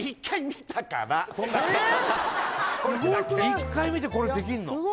１回見てこれできんの？